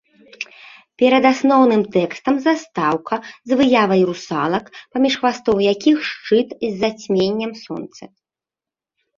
Перад асноўным тэкстам застаўка з выявай русалак, паміж хвастоў якіх шчыт з зацьменнем сонца.